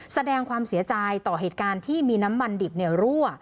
แสดงความเสียใจต่อเหตุการณ์ที่มีน้ำมันดิบรั่ว